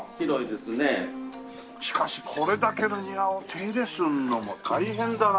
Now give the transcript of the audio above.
しかしこれだけの庭を手入れするのも大変だなあ。